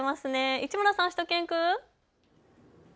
市村さん、しゅと犬くん。